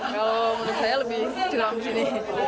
kalau menurut saya lebih curam disini